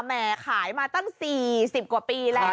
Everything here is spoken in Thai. แหมขายมาตั้ง๔๐กว่าปีแล้ว